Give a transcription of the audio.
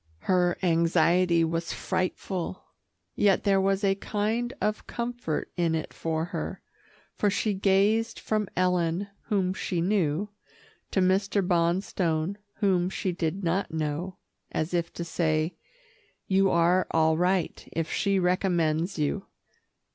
Her anxiety was frightful, yet there was a kind of comfort in it for her, for she gazed from Ellen, whom she knew, to Mr. Bonstone whom she did not know, as if to say, "You are all right, if she recommends you."